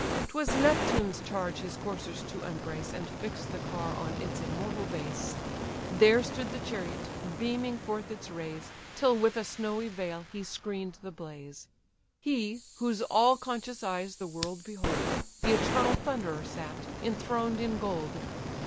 'Twas Neptune's charge his coursers to unbrace, And fix the car on its immortal base; There stood the chariot, beaming forth its rays, Till with a snowy veil he screen'd the blaze. He, whose all conscious eyes the world behold, The eternal Thunderer sat, enthroned in gold.